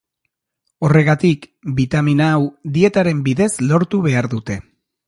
Horregatik, bitamina hau dietaren bidez lortu behar dute.